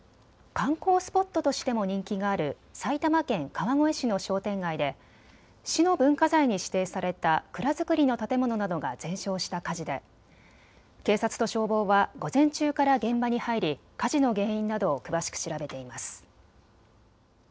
観光スポットとしても人気がある埼玉県川越市の商店街で市の文化財に指定された蔵造りの建物などが全焼した火事で警察と消防は午前中から現場に入り火事の原因などを詳しく調べています。